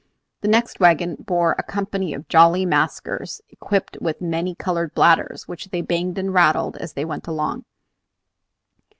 The next wagon bore a company of jolly maskers equipped with many colored bladders, which they banged and rattled as they went along.